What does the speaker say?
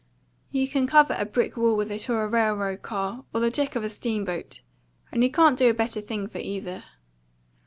You can cover a brick wall with it, or a railroad car, or the deck of a steamboat, and you can't do a better thing for either."